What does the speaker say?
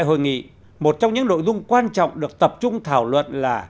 tại hội nghị một trong những nội dung quan trọng được tập trung thảo luận là